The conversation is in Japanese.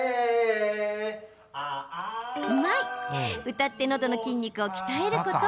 歌って、のどの筋肉を鍛えること。